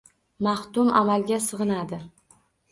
Maxdum amalga sig’inadi.